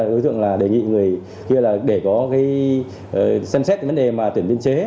đối tượng là đề nghị người kia để có săn xét vấn đề tuyển biên chế